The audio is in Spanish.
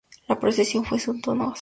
La procesión fue suntuosa.